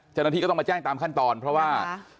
เจ้าหน้าที่ก็ต้องมาแจ้งตามขั้นตอนเพราะว่า